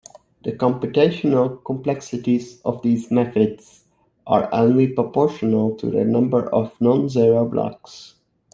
The computational complexities of these methods are only proportional to the number of non-zero blocks.